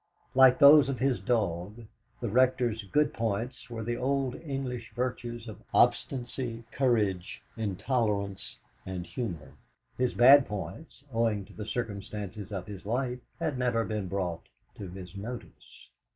Like those of his dog, the Rector's good points were the old English virtues of obstinacy, courage, intolerance, and humour; his bad points, owing to the circumstances of his life, had never been brought to his notice.